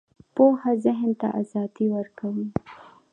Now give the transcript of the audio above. پوهه ذهن ته ازادي ورکوي